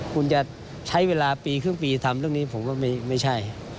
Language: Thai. คุณจะใช้เวลาปีครึ่งปีทำเรื่องนี้ผมก็ไม่ใช่